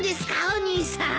お兄さん。